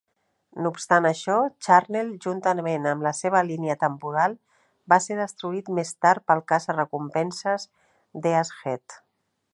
No obstant això, Charnel juntament amb la seva línia temporal va ser destruït més tard pel caça-recompenses Death's Head.